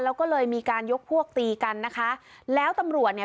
แล้วก็เลยมีการยกพวกตีกันนะคะแล้วตำรวจเนี่ย